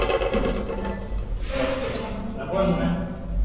Kilomita sabini kabla ya kutumia kiuno kingi